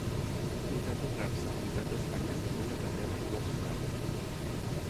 Meitat de França, meitat d'Espanya, no hi ha altra terra com la Cerdanya.